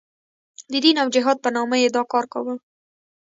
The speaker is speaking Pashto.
د دین او جهاد په نامه یې دا کار کاوه.